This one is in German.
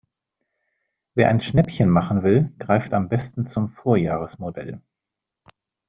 Wer ein Schnäppchen machen will, greift am besten zum Vorjahresmodell.